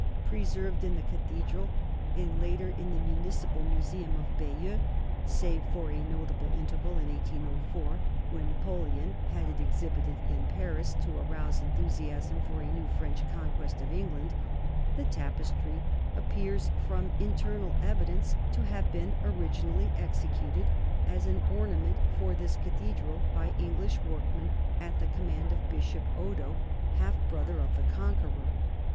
Preserved in the cathedral and later in the municipal Museum of Bayeux save for a notable interval in 1804, when Na poleon had it exhibited in Paris to arouse enthusiasm for a new French conquest of England, the tapestry appears from internal evidence to have been originally executed as an ornament for this cathedral by English workmen at the command of Bishop Odo, half brother of the Conqueror.